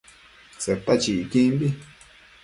Seta chequimbi